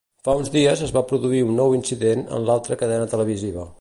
Fa uns dies es va produir un nou incident en l'altra cadena televisiva.